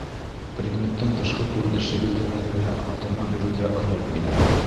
Предметтың тышҡы күренеше билдәләре лә атама биреүҙә роль уйнай.